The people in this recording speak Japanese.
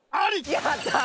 やったー！